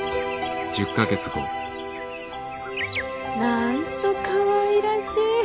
なんとかわいらしい。